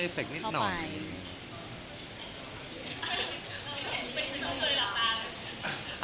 อัฟเตอร์เอฟเฟคต์นิดหน่อย